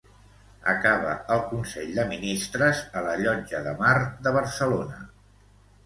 Acaba el Consell de Ministres a la Llotja de Mar de Barcelona.